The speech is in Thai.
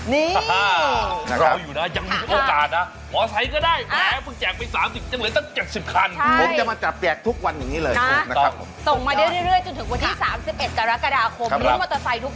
นี่